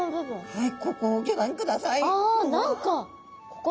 はい。